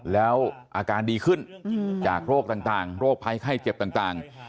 แล้วอาการดีขึ้นจากโรคต่างโรคภัยไข้เจ็บต่าง